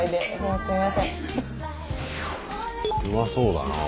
うまそうだなぁ。